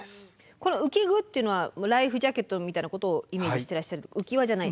この「うき具」っていうのはライフジャケットみたいなことをイメージしてらっしゃるうきわじゃない？